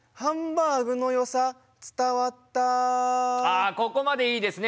あここまでいいですね。